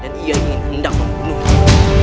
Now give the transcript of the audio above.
dan ia ingin hendak membunuhnya